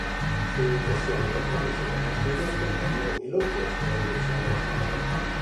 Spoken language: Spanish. Su dedicación y compromiso como estudiante le valió elogios de la dirección del Hospital.